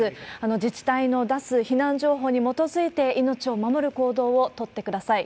自治体の出す避難情報に基づいて命を守る行動を取ってください。